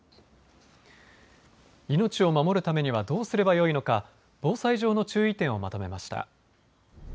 命を守るためにはどうすればよいのか、防災上の注意点をまとめました。